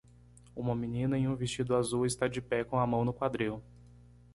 Uma menina em um vestido azul está de pé com a mão no quadril.